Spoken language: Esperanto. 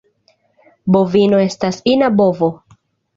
Bovino estas ina bovo.